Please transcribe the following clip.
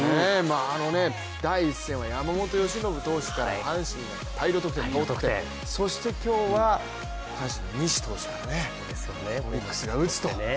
第１戦は山本由伸が阪神から大量得点、そして今日は阪神の西投手がね、オリックスが打つと。